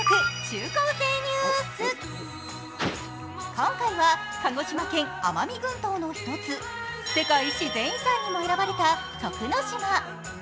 今回は、鹿児島県奄美群島の１つ、世界自然遺産にも選ばれた徳之島。